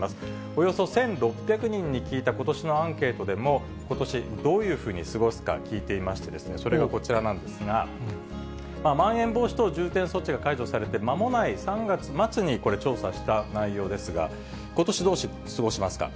およそ１６００人に聞いたことしのアンケートでも、ことしどういうふうに過ごすか聞いてみますと、それがこちらなんですが、まん延防止等重点措置が解除されて間もない３月末にこれ、調査した内容ですが、ことし、どう過ごしますか？